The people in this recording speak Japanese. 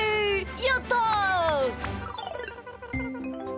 やった！